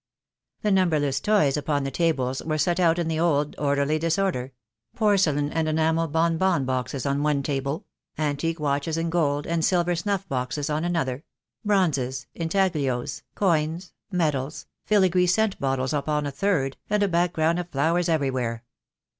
The numberless toys upon the tables were set out in the old orderly disorder — porcelain and enamel bon bon boxes on one table — antique watches and gold and silver snuff boxes on another — bronzes, intaglios, coins, medals, fili gree scent bottles upon a third, and a background of flowers everywhere.